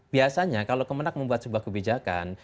biasanya kalau kemenang membuat sebuah kebijakan